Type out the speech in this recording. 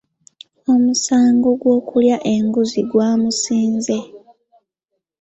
Omusango gw'okulya enguzi gwamusinze.